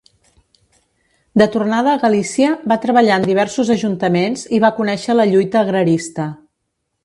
De tornada a Galícia, va treballar en diversos ajuntaments i va conèixer la lluita agrarista.